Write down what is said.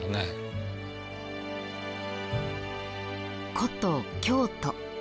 古都・京都。